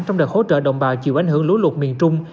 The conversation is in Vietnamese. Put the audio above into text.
trong đợt hỗ trợ đồng bào chịu ảnh hưởng lúa lụt miền trung